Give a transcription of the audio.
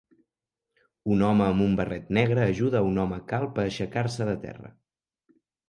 Un home amb un barret negre ajuda un home calb a aixecar-se de terra.